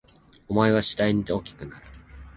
想いは次第に大きくなる